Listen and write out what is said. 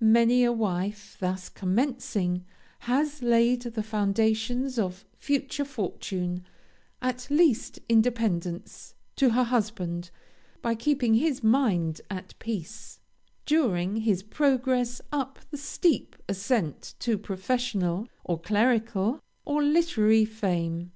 Many a wife, thus commencing, has laid the foundations of future fortune, at least independence, to her husband, by keeping his mind at peace, during his progress up the steep ascent to professional, or clerical, or literary fame.